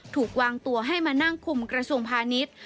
ถูกวางตัวให้มานั่งคุมกระทรวงพาณิชย์